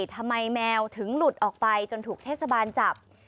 ทำไมแมวถึงหลุดออกไปจนถูกเทศบาลจับ